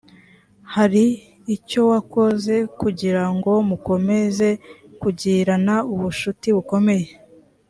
hari icyo wakoze kugira ngo mukomeze kugirana ubucuti bukomeye